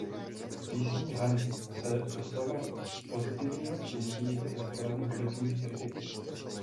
Písni „Honey“ se dostalo pozitivního přijetí ze strany hudebních kritiků.